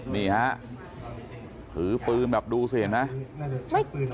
นี่ฮะถือปืนแบบดูสิเห็นไหม